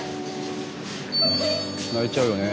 泣いちゃうよね。